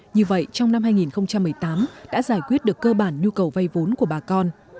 như vậy trong năm hai nghìn một mươi tám đã giải quyết được cơ bản nhu cầu vay vốn của bà con